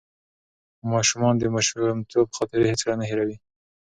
ماشومان د ماشومتوب خاطرې هیڅکله نه هېروي.